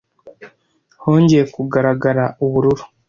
Hongeye kugaragara ubururu;